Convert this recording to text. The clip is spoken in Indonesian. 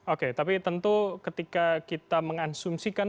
oke tapi tentu ketika kita mengasumsikan